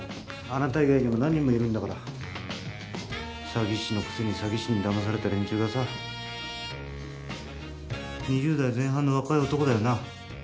あなた以外にも何人もいるんだから詐欺師のくせに詐欺師にだまされた連中がさ２０代前半の若い男だよな？